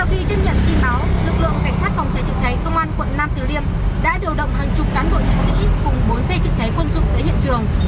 thưa quý vị ngay sau khi tiếp nhận tin báo lực lượng cảnh sát phòng cháy trực cháy công an quận năm tỉnh liêm đã điều động hàng chục cán bộ trực sĩ cùng bốn xe trực cháy quân dụng tới hiện trường